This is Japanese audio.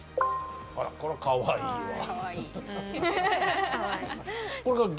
あらこらかわいいわ。